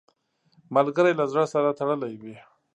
ملګری له زړه سره تړلی وي